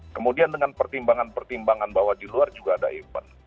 kemudian dengan pertimbangan pertimbangan bahwa di luar juga ada event